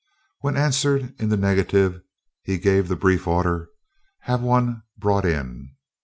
When answered in the negative, he gave the brief order, "Have one brought in."